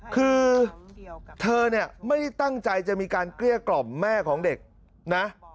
คือเธอเนี่ยไม่ได้ตั้งใจจะมีการเกลี้ยกล่อมแม่ของเด็กนะ